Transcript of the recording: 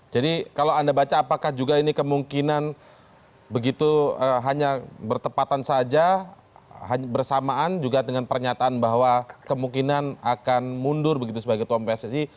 kalau anda baca apakah juga ini kemungkinan begitu hanya bertepatan saja bersamaan juga dengan pernyataan bahwa kemungkinan akan mundur begitu sebagai ketua umum pssi